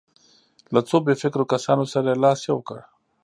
له څو بې فکرو کسانو سره یې لاس یو کړ.